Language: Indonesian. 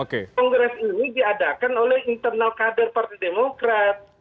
kongres ini diadakan oleh internal kader partai demokrat